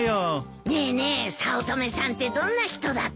ねえねえ早乙女さんってどんな人だった？